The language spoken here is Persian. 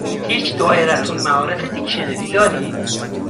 هیچ دائره المعارف دیکشنری دارید؟